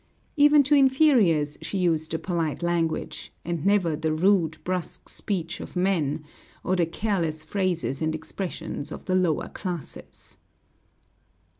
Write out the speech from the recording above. Even to inferiors she used the polite language, and never the rude, brusque speech of men, or the careless phrases and expressions of the lower classes.